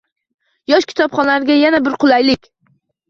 Yosh kitobxonlarga yana bir qulaylik